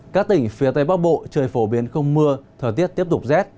các tỉnh phía tây bắc bộ trời phổ biến không mưa thời tiết tiếp tục rét